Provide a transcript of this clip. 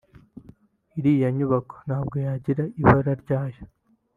Iriya nyubako ntabwo yagira ibara ryayo